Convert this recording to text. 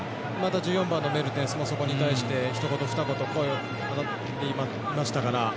１４番のメルテンスもそこに対して、ひと言、ふた言声をかけていましたから。